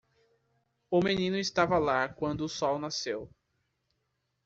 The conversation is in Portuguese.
O menino estava lá quando o sol nasceu.